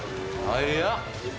早っ！